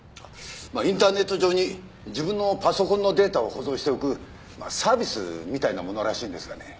まあインターネット上に自分のパソコンのデータを保存しておくサービスみたいなものらしいんですがね。